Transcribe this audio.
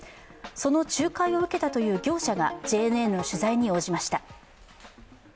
その仲介を受けたという業者がＪＮＮの取材に応じました。